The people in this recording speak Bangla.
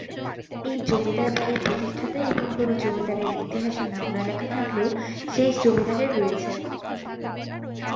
এই জমিদার বাড়ির প্রতিষ্ঠাতা এবং কোনো জমিদারের ইতিহাসে নাম না থাকলেও শেষ জমিদারের রয়েছে।